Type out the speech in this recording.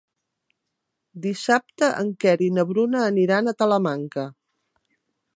Dissabte en Quer i na Bruna aniran a Talamanca.